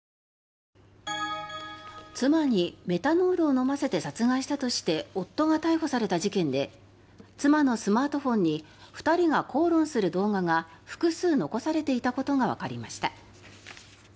妻にメタノールを飲ませて殺害したとして夫が逮捕された事件で妻のスマートフォンに２人が口論する動画が複数残されていたことがわかりました。